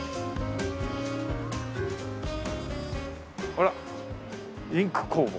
あら「インク工房」。